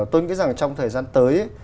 tôi nghĩ rằng trong thời gian tới